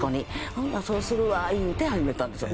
ほなそうするわ言うて始めたんですよ。